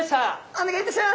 お願いいたします！